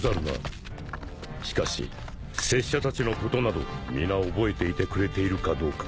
しかし拙者たちのことなど皆覚えていてくれているかどうか。